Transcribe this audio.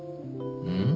うん？